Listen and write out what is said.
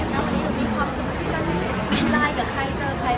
แล้ววันนี้หนูมีความสุขที่จะได้ไลน์กับใครเจอใคร